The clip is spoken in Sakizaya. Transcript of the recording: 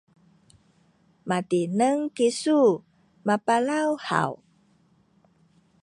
matineng kisu mapalaw haw?